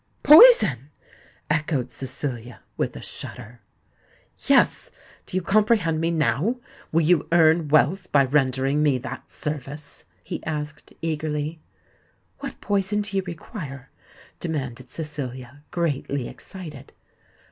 "Poison!" echoed Cecilia, with a shudder. "Yes: do you comprehend me now? Will you earn wealth by rendering me that service?" he asked eagerly. "What poison do you require?" demanded Cecilia greatly excited.